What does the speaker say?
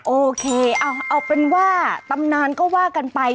โอเคเอาเป็นว่าตำนานก็ว่ากันไป